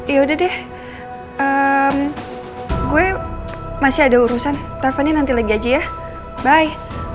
yaudah deh gue masih ada urusan teleponnya nanti lagi aja ya bye